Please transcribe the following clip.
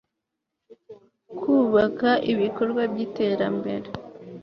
kubaka ibikorwa by iterambere